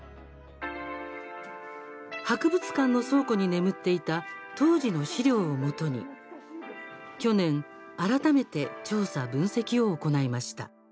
博物館の倉庫に眠っていた当時の資料をもとに去年、改めて調査・分析を行いました。